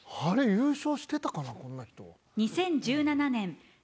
優勝してたかなこんな人。